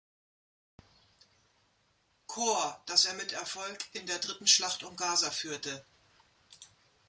Korps, das er mit Erfolg in der dritten Schlacht um Gaza führte.